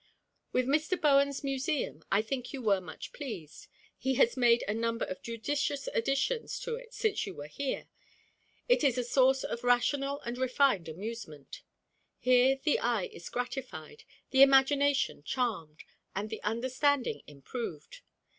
With Mr. Bowen's museum I think you were much pleased. He has made a number of judicious additions to it since you were here. It is a source of rational and refined amusement. Here the eye is gratified, the imagination charmed, and the understanding improved.